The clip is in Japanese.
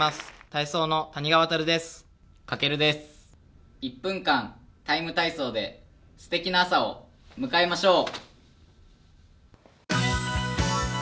ＴＩＭＥ，体操」ですてきな朝を迎えましょう。